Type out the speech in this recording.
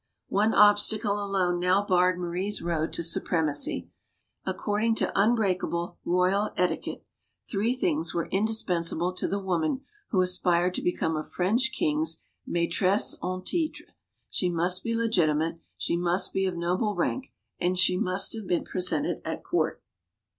One obstacle alone now barred Marie's road to supremacy. According to unbreakable royal etiquette, three things were indispensable to the woman who aspired to become a French king's maitresse en litre she must be legitimate, she must be of noble rank, and she must have been presented at court.